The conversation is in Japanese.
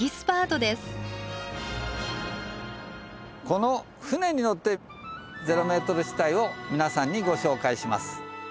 この船に乗ってゼロメートル地帯を皆さんにご紹介します。